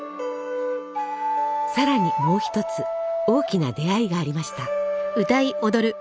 さらにもう一つ大きな出会いがありました。